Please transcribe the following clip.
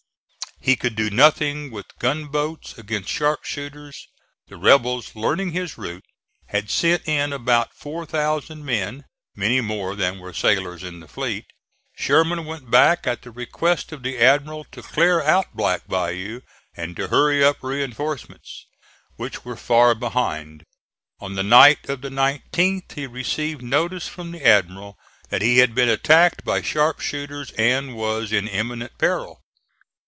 He could do nothing with gunboats against sharpshooters. The rebels, learning his route, had sent in about 4,000 men many more than there were sailors in the fleet. Sherman went back, at the request of the admiral, to clear out Black Bayou and to hurry up reinforcements, which were far behind. On the night of the 19th he received notice from the admiral that he had been attacked by sharp shooters and was in imminent peril.